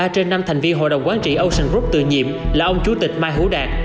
ba trên năm thành viên hội đồng quán trị ocean group tự nhiệm là ông chủ tịch mai hữu đạt